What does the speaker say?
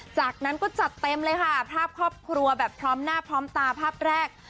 จากนั้นก็จัดเต็มเลยค่ะภาพครอบครัวแบบพร้อมหน้าพร้อมตาภาพแรก